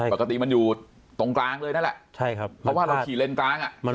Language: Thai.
ปกติมันอยู่ตรงกลางเลยนั่นแหละใช่ครับเพราะว่าเราขี่เลนกลางอ่ะ